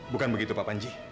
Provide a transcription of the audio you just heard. bukan begitu pak panji